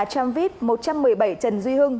tramvit một trăm một mươi bảy trần duy hưng